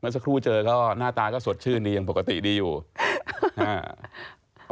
สักครู่เจอก็หน้าตาก็สดชื่นดียังปกติดีอยู่อ่า